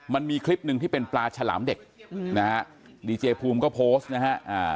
มันมีคลิปหนึ่งที่เป็นปลาฉลามเด็กอืมนะฮะดีเจภูมิก็โพสต์นะฮะอ่า